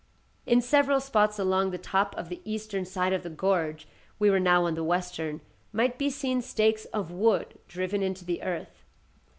In several spots along the top of the eastern side of the gorge (we were now on the western) might be seen stakes of wood driven into the earth.